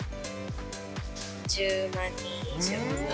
１０万人以上。